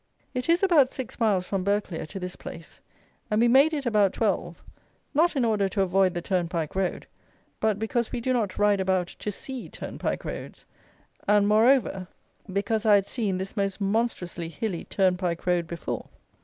It is about six miles from Burghclere to this place; and we made it about twelve; not in order to avoid the turnpike road, but because we do not ride about to see turnpike roads; and, moreover, because I had seen this most monstrously hilly turnpike road before.